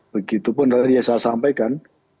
begitupun tadi yang saya sampaikan